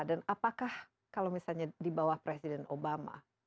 dan apakah kalau misalnya di bawah presiden obama